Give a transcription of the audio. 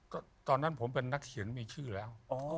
ก็ตอนนั้นผมเป็นนักเขียนมีชื่อแล้ว